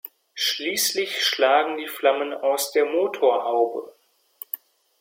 Schließlich schlagen die Flammen aus der Motorhaube.